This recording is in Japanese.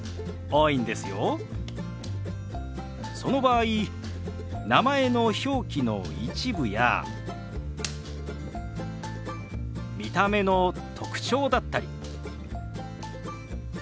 その場合名前の表記の一部や見た目の特徴だったり。